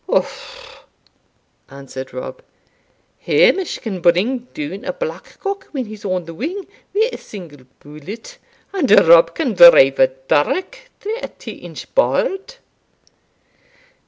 "Umph!" answered Rob; "Hamish can bring doun a black cock when he's on the wing wi' a single bullet, and Rob can drive a dirk through a twa inch board."